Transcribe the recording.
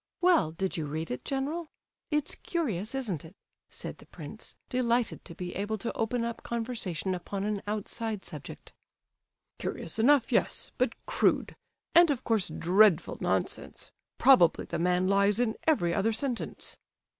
Well, did you read it, general? It's curious, isn't it?" said the prince, delighted to be able to open up conversation upon an outside subject. "Curious enough, yes, but crude, and of course dreadful nonsense; probably the man lies in every other sentence."